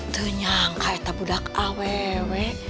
tenyang kak etap budak aww